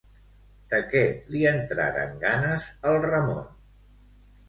De què li entraren ganes al Ramon?